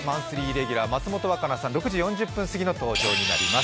レギュラー松本若菜さん、６時４０分過ぎの登場となります。